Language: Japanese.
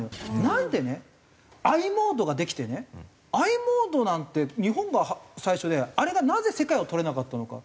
なんでねｉモードができてねｉモードなんて日本が最初であれがなぜ世界をとれなかったのか。